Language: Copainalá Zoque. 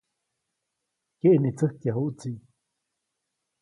Keʼnitsäjkyajuʼtsi.